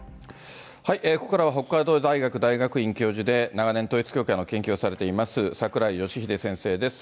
ここからは北海道大学大学院教授で長年、統一教会の研究をされています、櫻井義秀先生です。